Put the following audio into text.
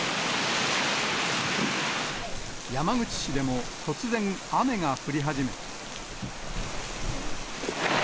山口市でも突然、雨が降り始め。